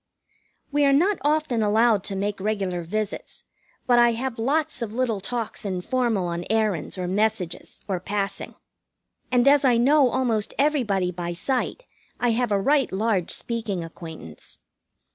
We are not often allowed to make regular visits, but I have lots of little talks informal on errands, or messages, or passing; and as I know almost everybody by sight, I have a right large speaking acquaintance.